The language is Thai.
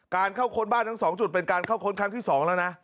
เข้าค้นบ้านทั้ง๒จุดเป็นการเข้าค้นครั้งที่๒แล้วนะ